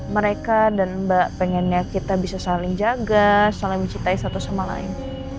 mereka dan mbak pengennya kita bisa saling jaga saling mencintai satu sama lain